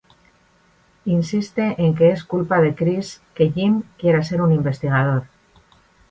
Insiste en que es culpa de Chris que Jim quiera ser un investigador.